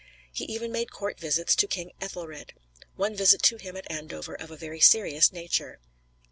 He even made court visits to King Ethelred; one visit to him at Andover of a very serious nature.